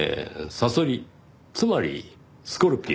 サソリつまりスコルピオ。